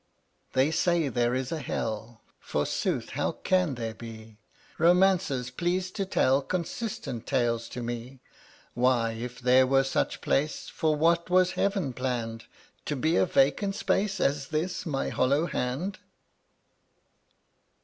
131 They say there is a hell. Forsooth, how can there be? Romancers, please to tell Consistent tales to me. Why, if there were such place For what was heaven planned? To be a vacant space As this my hollow hand.